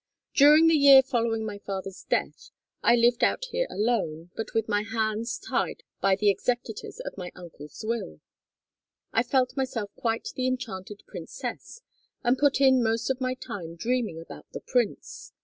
"During the year following my father's death I lived out here alone, but with my hands tied by the executors of my uncle's will. I felt myself quite the enchanted princess and put in most of my time dreaming about the prince.